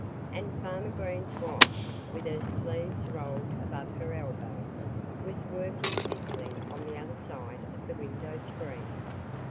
And Farmer Green's wife, with her sleeves rolled above her elbows, was working busily on the other side of the window screen.